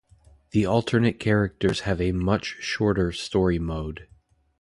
The alternate characters have a much shorter story-mode.